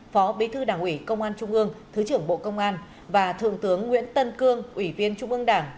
phó bí thư đảng ủy công an trung ương thứ trưởng bộ công an và thượng tướng nguyễn tân cương ủy viên trung ương đảng